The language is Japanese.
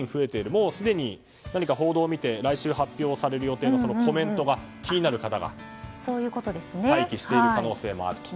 もうすでに何か報道を見て来週発表される予定のコメントが気になる方が待機している可能性もあると。